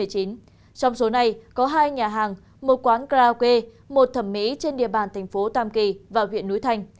trong số này có hai nhà hàng một quán karaoke một thẩm mỹ trên địa bàn thành phố tam kỳ và huyện núi thành